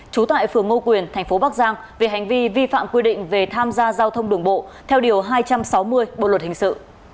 trú tại phường ngô quyền thành phố bắc giang về hành vi vi phạm quy định về tham gia giao thông đường bộ theo điều hai trăm sáu mươi bộ luật hình sự